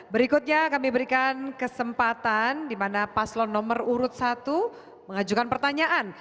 berikutnya kami berikan kesempatan di mana paslon nomor urut satu mengajukan pertanyaan